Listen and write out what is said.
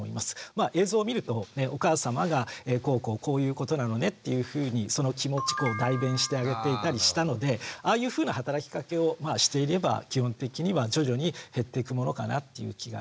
まあ映像を見るとお母さまがこうこうこういうことなのねっていうふうにその気持ち代弁してあげていたりしたのでああいうふうな働きかけをしていれば基本的には徐々に減っていくものかなっていう気がします。